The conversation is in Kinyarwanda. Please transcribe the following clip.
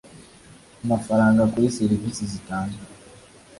amafaranga kuri serivisi zitanzwe